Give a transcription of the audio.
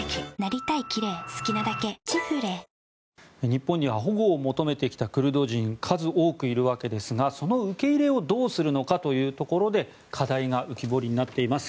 日本には保護を求めてきたクルド人が数多くいるわけですがその受け入れをどうするのかというところで課題が浮き彫りになっています。